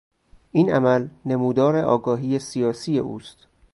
این عمل نمودار آگاهی سیاسی او ست.